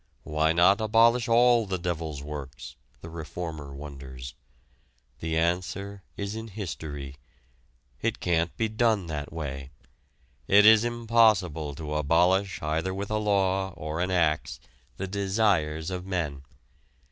Why not abolish all the devil's works? the reformer wonders. The answer is in history. It can't be done that way. It is impossible to abolish either with a law or an axe the desires of men.